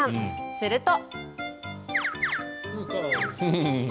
すると。